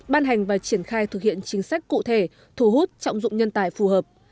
ban hành và triển khai thực hiện chính sách cụ thể thu hút trọng dụng nhân tài phù hợp